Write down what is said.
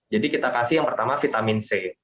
jadi kita kasih yang pertama vitamin c